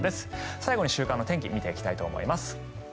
最後に週間の天気を見ていきたいと思います。